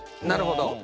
なるほど。